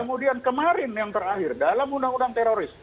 kemudian kemarin yang terakhir dalam undang undang teroris